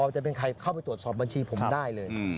จะเป็นใครเข้าไปตรวจสอบบัญชีผมได้เลย